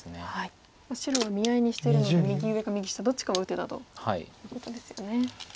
白は見合いにしてるので右上か右下どっちかを打てたということですよね。